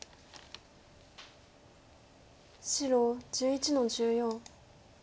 白１１の十四。